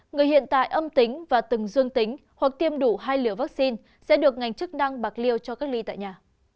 người hiện tại âm tính và từng dương tính hoặc tiêm đủ hai liều vaccine sẽ được ngành chức năng bạc liêu cho cách ly tại nhà